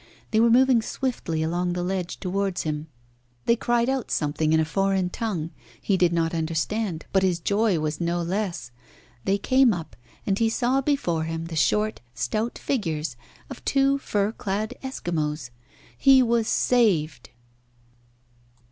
They were moving swiftly along the ledge towards him. They cried out something in a foreign tongue. He did not understand, but his joy was no less. They came up, and he saw before him the short, stout figures of two fur clad Eskimos. He was saved.